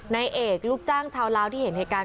นายเอกลูกจ้างชาวลาวที่เห็นเหตุการณ์